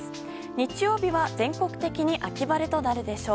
日曜日は全国的に秋晴れとなるでしょう。